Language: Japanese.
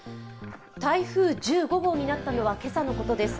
台風１５号になったのは今朝のことです。